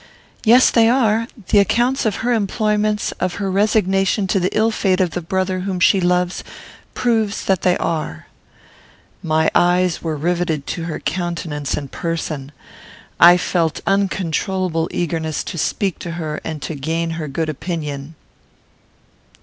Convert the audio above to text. "Yes, they are. The account of her employments, of her resignation to the ill fate of the brother whom she loves, proves that they are." My eyes were riveted to her countenance and person. I felt uncontrollable eagerness to speak to her, and to gain her good opinion.